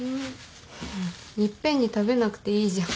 いっぺんに食べなくていいじゃん。